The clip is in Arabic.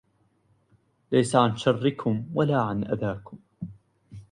ليس عن شركم ولا عن أذاكم